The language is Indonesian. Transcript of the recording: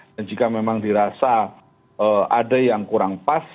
dan jika memang dirasa ada yang kurang pas